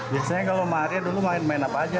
biasanya kalau sama area dulu main main apa aja